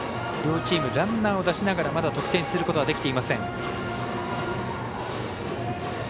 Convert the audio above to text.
両チームランナーを出しながらまだ得点することはできていません。